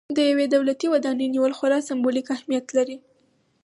د یوې دولتي ودانۍ نیول خورا سمبولیک اهمیت لري.